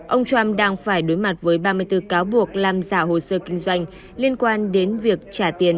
ông trump đang phải đối mặt với ba mươi bốn cáo buộc làm giả hồ sơ kinh doanh liên quan đến việc trả tiền